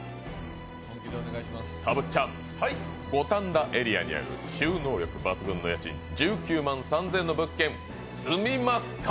たぶっちゃん五反田エリアにある収納力抜群の家賃１９万３０００円の物件住みますか？